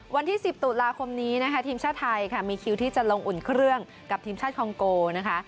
วันที่๑๐ตุลาคมนี้นะคะทีมชาติไทยค่ะมีคิวที่จะลงอุ่นเครื่องกับทีมชาติคองโกนะคะ